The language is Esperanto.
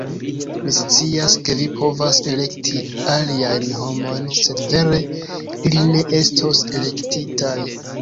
Mi scias, ke vi povas elekti aliajn homojn sed vere ili ne estos elektitaj